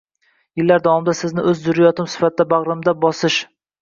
Yillar davomida sizni o'z zurriyotim sifatida bag'rimga bosish